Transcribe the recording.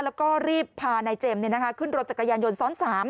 แล้วก็รีบพานายเจมส์ขึ้นรถจักรยานยนต์ซ้อน๓